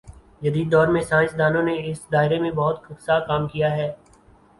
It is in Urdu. جدیددور میں سائنس دانوں نے اس دائرے میں بہت سا کام کیا ہے